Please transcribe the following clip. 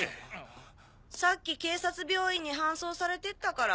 さっき警察病院に搬送されてったから。